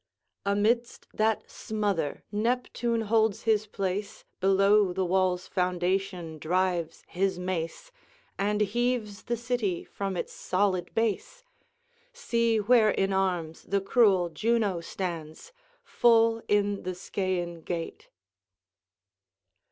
"Amidst that smother Neptune holds his place, Below the walls' foundation drives his mace, And heaves the city from its solid base. See where in arms the cruel Juno stands, Full in the Scæan gate."